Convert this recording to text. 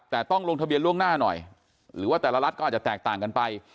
แต่ต้องลงทะเบียนล่วงหน้าหน่อยหรือว่าแต่ละรัฐก็อาจจะแตกต่างกันไป